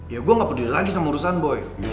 ya gue gak peduli lagi sama urusan boy